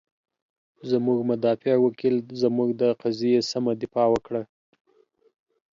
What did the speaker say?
زمونږ مدافع وکیل، زمونږ د قضیې سمه دفاع وکړه.